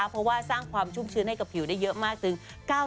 เพราะว่าสร้างความชุ่มชื้นให้กับผิวได้เยอะมากถึง